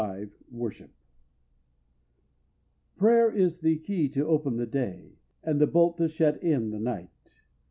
] Prayer is the key to open the day, and the bolt to shut in the night.